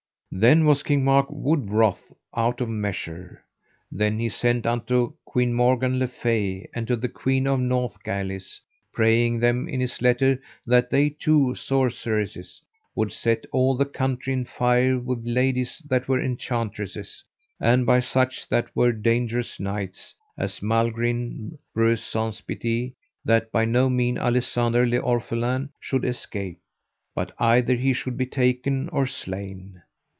Then was King Mark wood wroth out of measure. Then he sent unto Queen Morgan le Fay, and to the Queen of Northgalis, praying them in his letters that they two sorceresses would set all the country in fire with ladies that were enchantresses, and by such that were dangerous knights, as Malgrin, Breuse Saunce Pité, that by no mean Alisander le Orphelin should escape, but either he should be taken or slain.